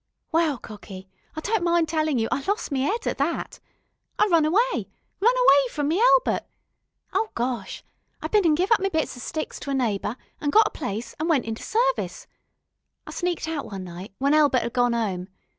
Well, cocky, I don't mind tellin' you I lost me 'ead at that. I run awiy run awiy from my Elbert Oh, Gosh! I bin an' give up me bits o' sticks to a neighbour, an' got a place, an' went into service. I sneaked out one night, when Elbert 'ad gone 'ome.